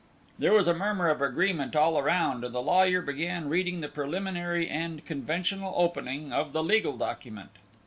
There was a murmur of agreement all round, and the lawyer began reading the preliminary and conventional opening of the legal document.